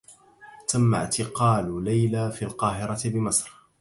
تمّ اعتقال ليلى في القاهرة بمصر.